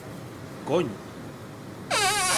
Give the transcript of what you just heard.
¡Coño!